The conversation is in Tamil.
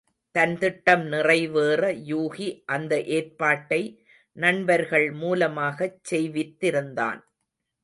தன் திட்டம் நிறைவேற யூகி அந்த ஏற்பாட்டை நண்பர்கள் மூலமாகச் செய்வித்திருந்தான்.